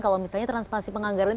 kalau misalnya transparansi penganggaran